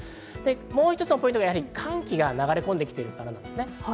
もう一つのポイントは、寒気が流れ込んできているんです。